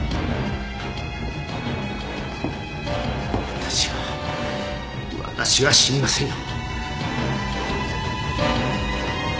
私は私は知りませんよ。